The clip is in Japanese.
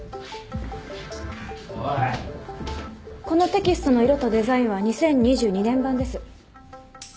このテキストの色とデザインは２０２２年版です。